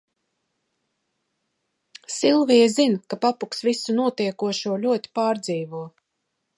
Silvija zin, ka papuks visu notiekošo ļoti pārdzīvo.